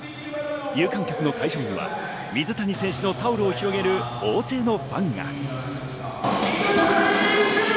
有観客の会場には、水谷選手のタオルを広げる大勢のファンが。